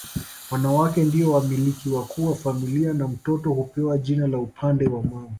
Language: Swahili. Wanawake ndio wamiliki wakuu wa familia na mtoto hupewa jina la upande wa mama